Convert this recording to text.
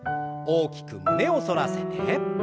大きく胸を反らせて。